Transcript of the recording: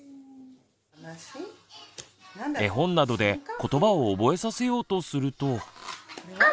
絵本などでことばを覚えさせようとすると。